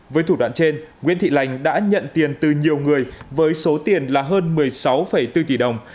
với thủ đoạn trên nguyễn thị lành đã nhận tiền từ nhiều người với số tiền là hơn một mươi sáu bốn tỷ đồng